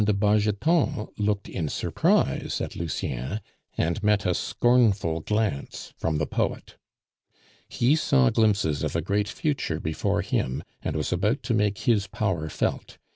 de Bargeton looked in surprise at Lucien, and met a scornful glance from the poet. He saw glimpses of a great future before him, and was about to make his power felt.